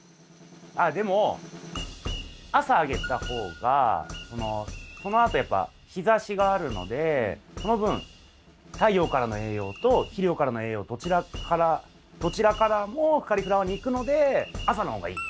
あっでも朝あげた方がそのあとやっぱ日ざしがあるのでその分太陽からの栄養と肥料からの栄養どちらからもカリフラワーに行くので朝の方がいい。